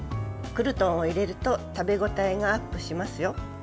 クルトンを入れると食べ応えがアップしますよ。